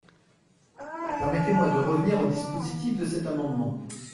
Permettez-moi de revenir au dispositif de cet amendement.